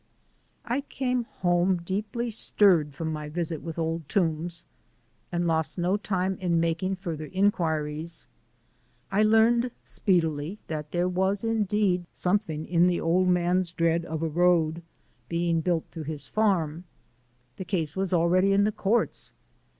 I came home deeply stirred from my visit with Old Toombs and lost no time in making further inquiries. I learned, speedily, that there was indeed something in the old man's dread of a road being built through his farm. The case was already in the courts.